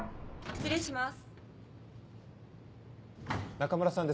失礼します。